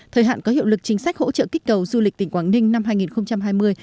thời hạn có hiệu lực chính sách hỗ trợ kích cầu du lịch tỉnh quảng ninh năm hai nghìn hai mươi